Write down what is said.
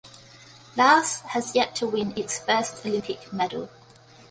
Laos has yet to win its first Olympic medal.